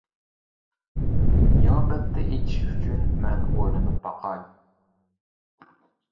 يېڭى بەتتە ئېچىش ئۈچۈن مەن ئويلىنىپ باقاي.